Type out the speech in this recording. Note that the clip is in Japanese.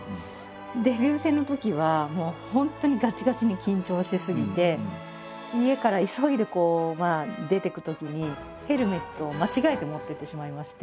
デビュー戦のときはもう本当にガチガチに緊張しすぎて家から急いでこう出ていくときにヘルメットを間違えて持ってってしまいまして。